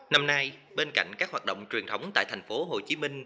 năm nay bên cạnh các hoạt động truyền thống tại tp hcm